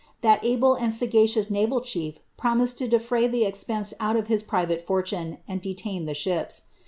That able and Mgaciom . naval chief promised to defray the expense ont of hia priTate fortum, anil detained the ships.'